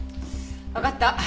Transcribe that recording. わかった。